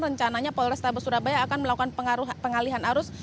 rencananya polrestabes surabaya akan melakukan pengalihan arus